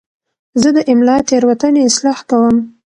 زه د املا تېروتنې اصلاح کوم.